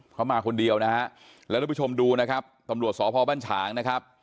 เขามาคนเดียวนะฮะแล้วทุกผู้ชมดูนะครับตำรวจสพบัญชางนะครับ